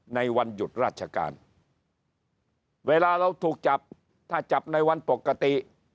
ในวันหยุดราชการเวลาเราถูกจับถ้าจับในวันปกติ